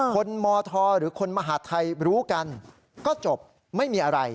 มธหรือคนมหาทัยรู้กันก็จบไม่มีอะไร